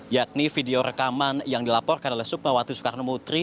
yakni video rekaman yang dilaporkan oleh sukmawati soekarno putri